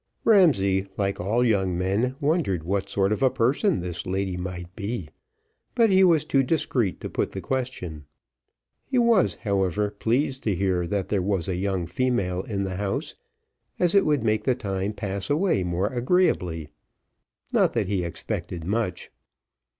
Ramsay, like all young men, wondered what sort of a person this lady might be; but he was too discreet to put the question. He was, however, pleased to hear that there was a young female in the house, as it would make the time pass away more agreeably; not that he expected much.